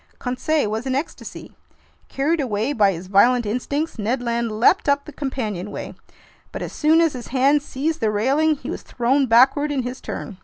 Conseil was in ecstasy. Carried away by his violent instincts, Ned Land leaped up the companionway. But as soon as his hands seized the railing, he was thrown backward in his turn.